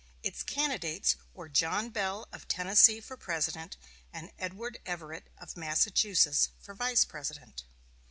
Its candidates were John Bell of Tennessee for President, and Edward Everett of Massachusetts for Vice President.